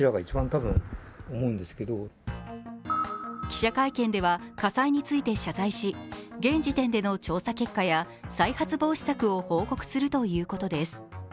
記者会見では火災について謝罪し、現時点での調査結果や再発防止策を報告するということです。